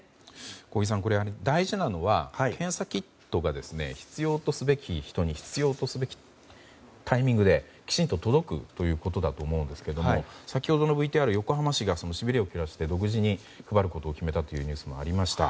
小木さん大事なのは、検査キットが必要とすべき人に必要とすべきタイミングできちんと届くということだと思うんですが先ほどのＶＴＲ横浜市がしびれを切らして独自に配ることを決めたというニュースもありました。